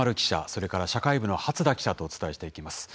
それから社会部の初田記者とお伝えしていきます。